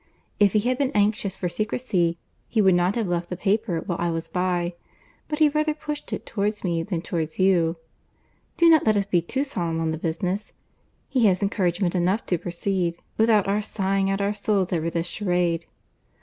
If he had been anxious for secrecy, he would not have left the paper while I was by; but he rather pushed it towards me than towards you. Do not let us be too solemn on the business. He has encouragement enough to proceed, without our sighing out our souls over this charade."